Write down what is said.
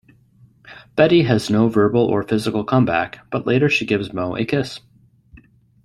Betty has no verbal or physical comeback, but later she gives Moe a kiss.